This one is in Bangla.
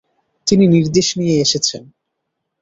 তিনি নির্দেশ নিয়ে এসেছেন।